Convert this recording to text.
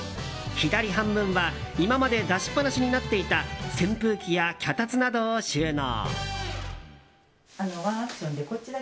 左半分は今まで出しっぱなしになっていた扇風機や脚立などを収納。